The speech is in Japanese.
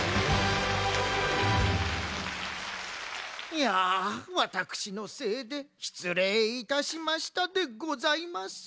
いやワタクシのせいでしつれいいたしましたでございます。